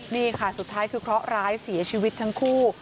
นี่ค่ะสุดท้ายคือเคราะห์ร้ายเสียชีวิตทั้งคู่